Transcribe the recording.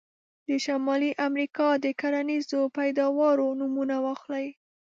د شمالي امریکا د کرنیزو پیداوارو نومونه واخلئ.